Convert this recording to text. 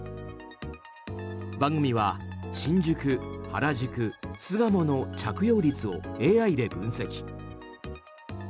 番組は新宿、原宿、巣鴨の着用率をＡＩで分析。